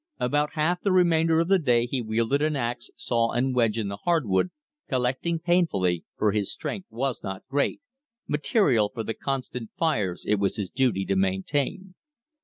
About half the remainder of the day he wielded an ax, saw and wedge in the hardwood, collecting painfully for his strength was not great material for the constant fires it was his duty to maintain.